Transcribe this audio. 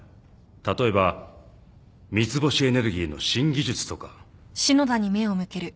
例えば三ツ星エネルギーの新技術とか。